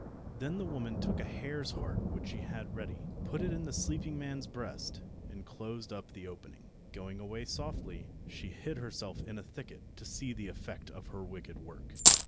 Then the woman took a hare's heart which she had ready, put it in the sleeping man's breast, and closed up the opening. Going away softly, she hid herself in a thicket, to see the effect of her wicked work.